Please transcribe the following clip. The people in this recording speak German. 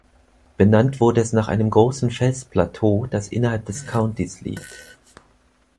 Benannt wurde es nach einem großen Felsplateau, das innerhalb des Countys liegt.